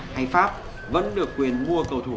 hay pháp vẫn được quyền mua cầu thủ